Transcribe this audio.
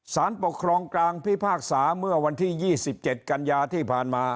สารปกครองกลางพิพากษาเมื่อวันที่๒๗กันยาที่ผ่านมา